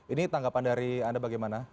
ini tanggapan dari anda bagaimana